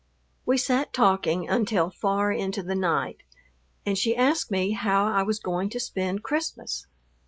We sat talking until far into the night, and she asked me how I was going to spend Christmas.